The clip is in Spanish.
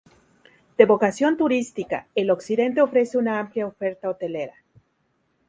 De vocación turística, el Occidente ofrece una amplia oferta hotelera.